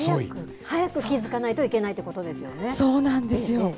早く気付かないといけないとそうなんですよ。